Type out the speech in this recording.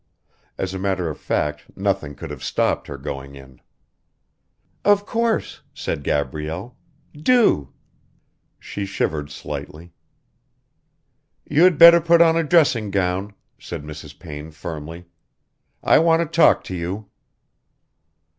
As a matter of fact nothing could have stopped her going in. "Of course," said Gabrielle. "Do...." She shivered slightly. "You'd better put on a dressing gown," said Mrs. Payne firmly. "I want to talk to you."